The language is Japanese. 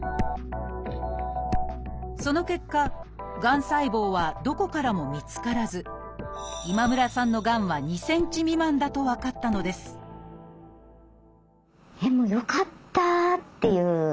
その結果がん細胞はどこからも見つからず今村さんのがんは２ｃｍ未満だと分かったのですよかった！っていう。